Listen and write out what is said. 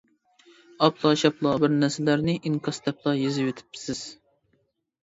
ئاپلا شاپلا بىر نەرسىلەرنى ئىنكاس دەپلا يېزىۋېتىپسىز.